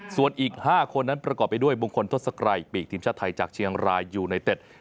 ส่วนอีก๕คนนั้นประกอบไปด้วยมงคลทศกรัยปีกทีมชาติไทยจากเชียงรายยูไนเต็ด